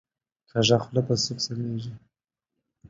کږه خوله په سوک سمیږي